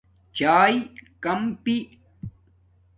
چایے کم پی